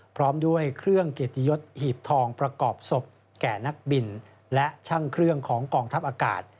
พร้อมด้วยเครื่องเกียรติยศหีบทองประกอบศพแก่นักบินและช่างเครื่องของกองทัพอากาศ